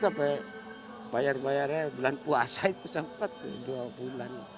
sampet apa bayar bayarnya bulan puasa itu sempet dua bulan